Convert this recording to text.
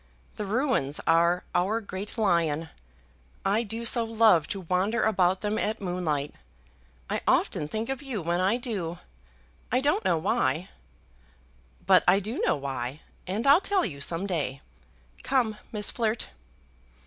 The ruins are our great lion. I do so love to wander about them at moonlight. I often think of you when I do; I don't know why. But I do know why, and I'll tell you some day. Come, Miss Flirt!"